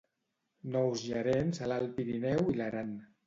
Nous gerents a l'Alt Pirineu i l'Aran.